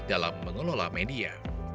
dalam mengelola media